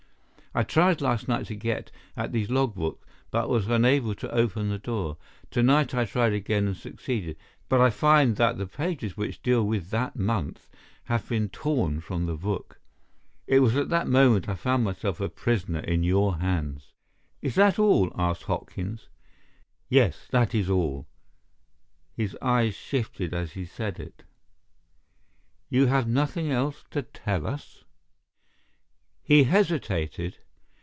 I tried last night to get at these logbooks, but was unable to open the door. To night I tried again and succeeded, but I find that the pages which deal with that month have been torn from the book. It was at that moment I found myself a prisoner in your hands." "Is that all?" asked Hopkins. "Yes, that is all." His eyes shifted as he said it. "You have nothing else to tell us?" He hesitated.